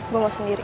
gue mau sendiri